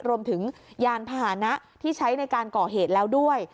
รวมถึงยานพาหนะที่ใช้ในการก่อเหตุแล้วด้วย